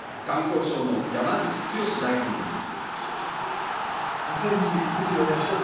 環境省の山口壯大臣は